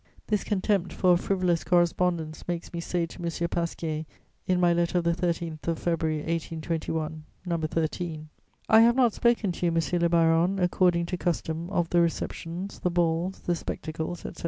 This contempt for a frivolous correspondence makes me say to M. Pasquier in my letter of the 13th of February 1821, No. 13: "I have not spoken to you, monsieur le baron, according to custom, of the receptions, the balls, the spectacles, etc.